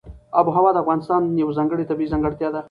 آب وهوا د افغانستان یوه ځانګړې طبیعي ځانګړتیا ده.